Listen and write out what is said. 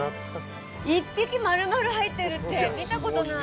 １匹まるまる入ってるって見たことない。